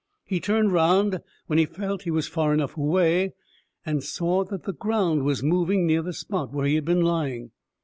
He turned round when he felt he was far enough away, and saw that the ground was moving near the spot where he had been lying.